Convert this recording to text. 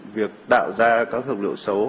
việc tạo ra các hợp lượng xấu